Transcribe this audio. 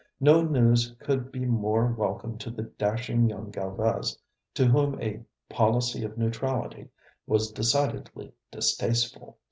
No news could be more welcome to the dashing young Galvez, to whom a policy of neutrality was decidedly distasteful.